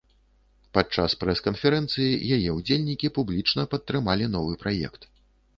Падчас прэс-канферэнцыі яе ўдзельнікі публічна падтрымалі новы праект.